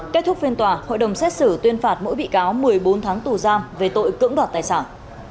kết thúc phiên tòa hội đồng xét xử tuyên phạt mỗi bị cáo một mươi bốn tháng tù giam về tội cưỡng đoạt tài sản